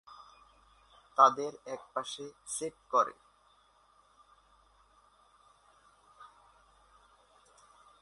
তাদের একপাশে সেট করে।